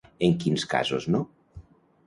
En quins casos no?